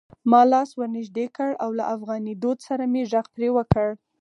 ما لاس ور نږدې کړ او له افغاني دود سره مې غږ پرې وکړ: